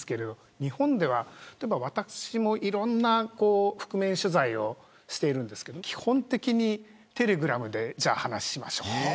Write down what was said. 日本では私もいろんな覆面取材をしているんですけど基本的にテレグラムで話をしましょうと。